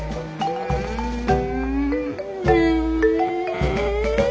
うん。